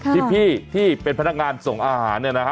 ที่พี่ที่เป็นพนักงานส่งอาหาร